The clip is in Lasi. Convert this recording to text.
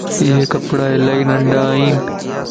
ايي ڪپڙا الائي ننڍان